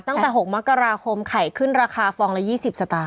ตั้งแต่๖มกราคมไข่ขึ้นราคาฟองละ๒๐สตางค